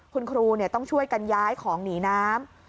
คุณครูต้องช่วยกันย้ายของหนีน้ำ